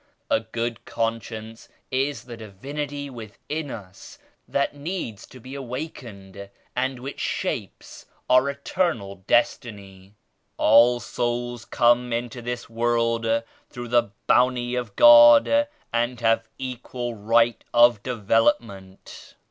A good conscience is the divinity within us that needs to be awakened and which shapes our eter nal destiny. All souls come iilto this world through the Bounty of God and have equal right of Development.